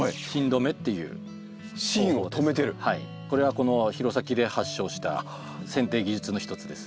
これはこの弘前で発祥したせん定技術の一つです。